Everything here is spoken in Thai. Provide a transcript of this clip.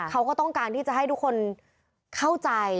เขาก็ต้องการที่จะให้ทุกคนเข้าใจ